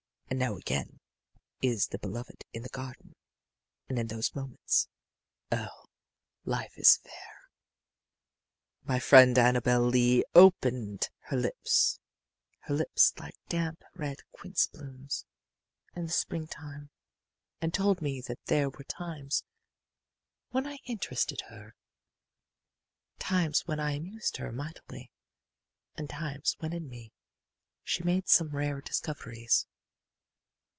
And now again is the beloved in the garden, and in those moments, oh, life is fair" My friend Annabel Lee opened her lips her lips like damp, red quince blooms in the spring time and told me that there were times when I interested her, times when I amused her mightily, and times when in me she made some rare discoveries.